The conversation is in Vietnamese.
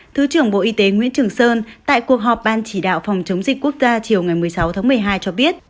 thứ trưởng bộ y tế nguyễn trường sơn tại cuộc họp ban chỉ đạo phòng chống dịch quốc gia chiều ngày một mươi sáu tháng một mươi hai cho biết